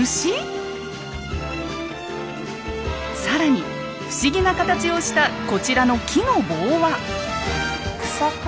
更に不思議な形をしたこちらの木の棒は。